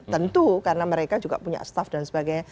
tentu karena mereka juga punya staff dan sebagainya